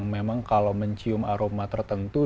memang kalau mencium aroma tertentu